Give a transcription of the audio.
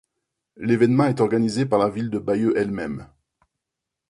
L'évènement est organisé par la ville de Bayeux elle-même.